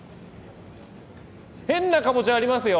変なかぼちゃありますよ